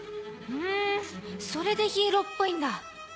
ふんそれでヒーローっぽいんだ。